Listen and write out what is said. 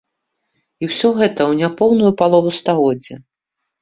І ўсё гэта ў няпоўную палову стагоддзя.